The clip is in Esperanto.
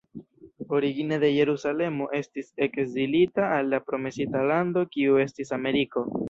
Origine de Jerusalemo, estis ekzilita al la promesita lando kiu estis Ameriko.